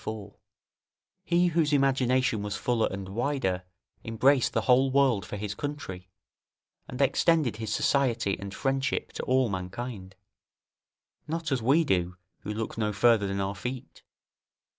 4.] he whose imagination was fuller and wider, embraced the whole world for his country, and extended his society and friendship to all mankind; not as we do, who look no further than our feet.